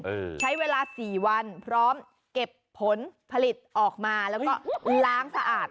ใช้เวลาสี่วันพร้อมเก็บผลผลิตออกมาแล้วก็ล้างสะอาด